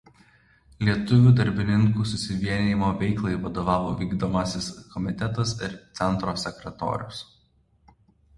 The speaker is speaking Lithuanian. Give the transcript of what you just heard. Lietuvių darbininkių susivienijimo veiklai vadovavo vykdomasis komitetas ir centro sekretorius.